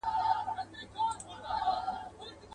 هر دلیل ته یې راوړله مثالونه.